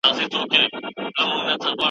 د ماشومانو سرکس تشریح شوی دی.